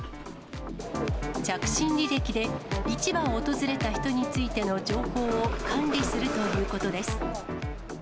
着信履歴で市場を訪れた人についての情報を管理するということです。